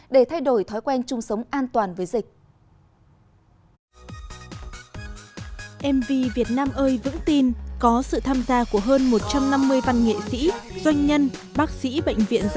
để thay đổi thói quen chung sống an toàn với dịch